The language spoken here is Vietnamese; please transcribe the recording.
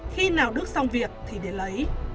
khi nào đức xong việc thì để lấy